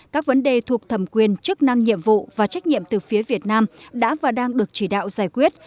các vấn đề thuộc thẩm quyền chức năng nhiệm vụ và trách nhiệm từ phía việt nam đã và đang được chỉ đạo giải quyết